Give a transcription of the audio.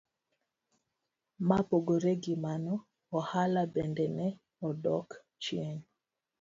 Mopogore gi mano, ohala bende ne odok chien.